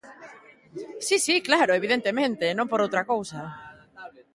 Si, si, claro, evidentemente, non por outra cousa.